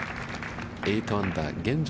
８アンダー、現状